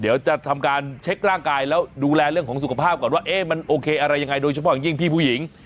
เดี๋ยวจะทำการเช็คร่างกายแล้วดูแลเรื่องของสุขภาพก่อนว่ามันโอเคอะไรยังไงโดยเฉพาะอย่างยิ่งพี่ผู้หญิง